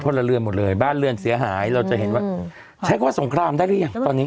ละเรือนหมดเลยบ้านเรือนเสียหายเราจะเห็นว่าใช้คำว่าสงครามได้หรือยังตอนนี้